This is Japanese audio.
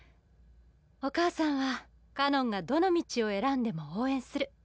お母さんはかのんがどの道を選んでも応援する。